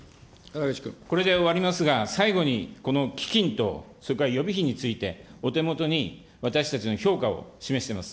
これで終わりますが、最後にこの基金とそれから予備費について、お手元に私たちの評価を示してます。